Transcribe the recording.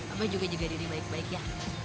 abah juga jaga diri baik baik ya